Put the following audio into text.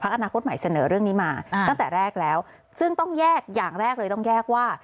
อนาคตใหม่เสนอเรื่องนี้มาตั้งแต่แรกแล้วซึ่งต้องแยกอย่างแรกเลยต้องแยกว่า